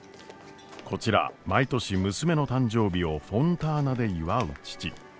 こちら毎年娘の誕生日をフォンターナで祝う父。